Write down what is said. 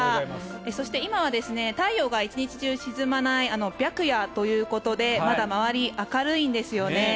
そして、今は太陽が１日中沈まない白夜ということでまだ周り、明るいんですよね。